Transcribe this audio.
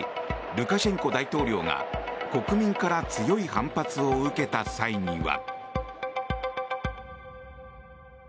ルカシェンコ大統領が国民から強い反発を受けた際には。